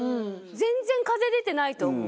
全然風出てないと思う。